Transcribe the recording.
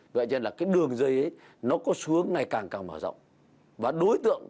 vậy nên là cái đường dây ấy nó có xu hướng ngày càng càng mở rộng